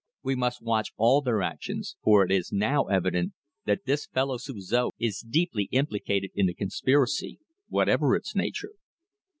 "We must watch all their actions, for it is now evident that this fellow Suzor is deeply implicated in the conspiracy, whatever its nature."